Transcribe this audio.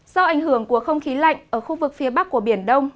do ảnh hưởng của không khí lạnh ở khu vực phía bắc của biển đông